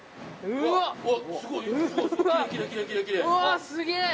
うわっすげえ！